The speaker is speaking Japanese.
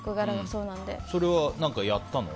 それはやったの？